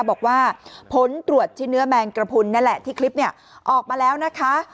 บอกว่าผลตรวจชิ้นเนื้อแมงกระพุนนั่นแหละที่คลิปเนี่ยออกมาแล้วนะคะ